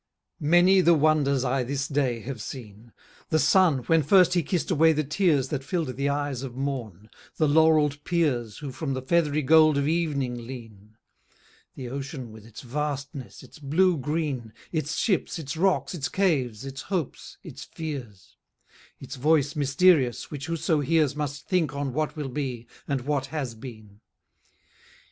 Many the wonders I this day have seen: The sun, when first he kist away the tears That fill'd the eyes of morn; the laurel'd peers Who from the feathery gold of evening lean: The ocean with its vastness, its blue green, Its ships, its rocks, its caves, its hopes, its fears, Its voice mysterious, which whoso hears Must think on what will be, and what has been.